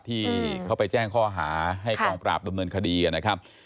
ที่เขาไปแจ้งข้อหาให้กองปราบดำเนินคดีนะครับ